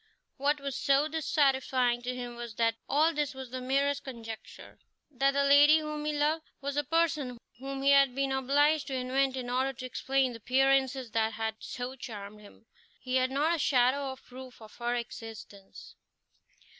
What was so dissatisfying to him was that all this was the merest conjecture, that the lady whom he loved was a person whom he had been obliged to invent in order to explain the appearances that had so charmed him. He had not a shadow of proof of her existence.